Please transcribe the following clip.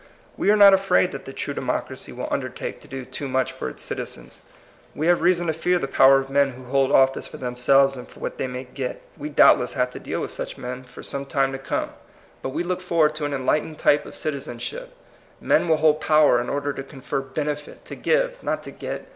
We are not afraid that the true democ racy will undertake to do too much for its citizens. We have reason to fear the power of men who hold office for them selves and for what they may get. We doubtlesA have to deal with such men for TBE IDEAL DEMOCBACT. 141 some time to come. But we look for ward to an enlightened type of citizen ship; men will hold power in order to confer benefit, to give, not to get.